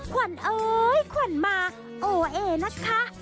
ขวัญเอ้ยขวัญมาโอเอนะคะ